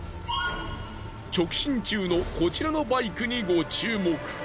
直進中のこちらのバイクにご注目。